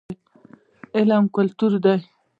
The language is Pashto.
علم ګټور دی.